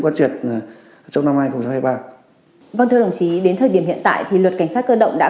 quan trượt trong năm hai nghìn hai mươi ba vâng thưa đồng chí đến thời điểm hiện tại thì luật cảnh sát cơ động đã